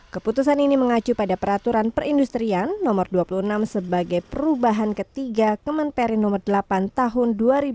keputusan ini mengacu pada peraturan perindustrian no dua puluh enam sebagai perubahan ketiga kemen perin nomor delapan tahun dua ribu dua puluh